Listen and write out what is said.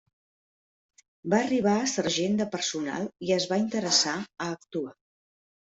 Va arribar a sergent de personal i es va interessar a actuar.